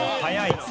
早い。